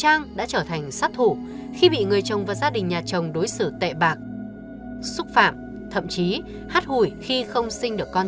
nhưng dù sao hai người cũng có với nhau hai đứa con xinh xắn